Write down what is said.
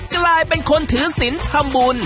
กลายเป็นคนถือศิลป์ทำบุญ